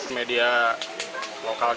petugas menangkap rakyat di rumah